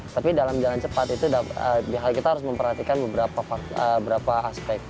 tapi dalam jalan cepat itu kita harus memperhatikan beberapa aspek